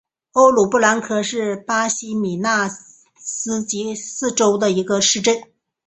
欧鲁布兰科是巴西米纳斯吉拉斯州的一个市镇。